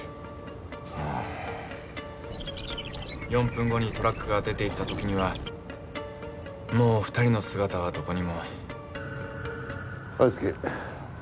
４分後にトラックが出て行った時にはもう２人の姿はどこにも。愛介